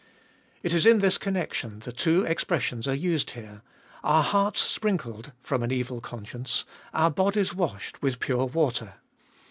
It is in this connection the two expressions are used here : Our hearts sprinkled from an evil conscience, our bodies washed with pure water.